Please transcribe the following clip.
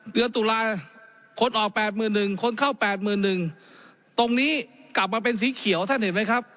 เดือนตุลาคนออก๘๑๐๐คนเข้า๘๑๐๐ตรงนี้กลับมาเป็นสีเขียวท่านเห็นไหมครับ